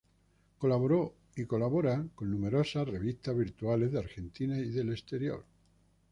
Colaboró y colabora con numerosas revistas virtuales de Argentina y del exterior.